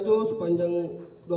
bagaimana sepanjang apa